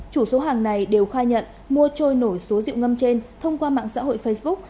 chủ số hàng này đều khai nhận mua trôi nổi số rượu ngâm trên thông qua mạng xã hội facebook